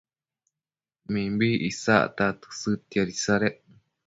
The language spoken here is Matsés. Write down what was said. mimbi isacta tësëdtiad isadec